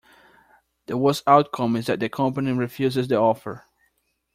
The worst outcome is that the company refuses the offer.